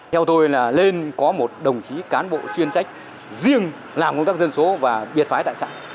theo tôi là lên có một đồng chí cán bộ chuyên trách riêng làm công tác dân số và biệt phái tại xã